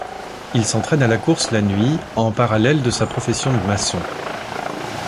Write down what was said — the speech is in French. Il s'entraîne à la course la nuit en parallèle de sa profession de maçon.